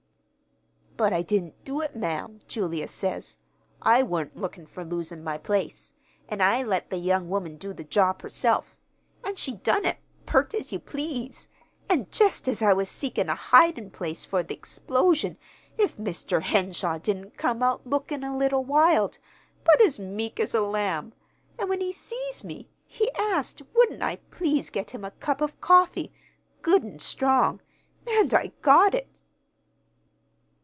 "'But I didn't do it, ma'am,' Julia says. 'I wa'n't lookin' for losin' my place, an' I let the young woman do the job herself. An' she done it, pert as you please. An' jest as I was seekin' a hidin' place for the explosion, if Mr. Henshaw didn't come out lookin' a little wild, but as meek as a lamb; an' when he sees me he asked wouldn't I please get him a cup of coffee, good an' strong. An' I got it.'